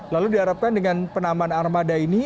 lalu diharapkan dengan penambahan armada ini